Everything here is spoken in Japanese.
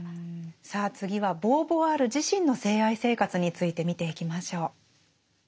さあ次はボーヴォワール自身の性愛生活について見ていきましょう。